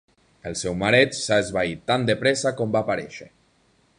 El seu mareig s'ha esvaït tan de pressa com va aparèixer.